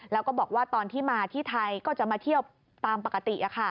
แล้วก็บอกว่าตอนที่มาที่ไทยก็จะมาเที่ยวตามปกติ